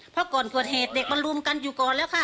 เพราะก่อนเกิดเหตุเด็กมันรุมกันอยู่ก่อนแล้วค่ะ